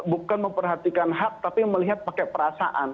bukan memperhatikan hak tapi melihat pakai perasaan